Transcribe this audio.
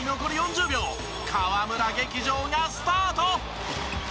河村劇場がスタート！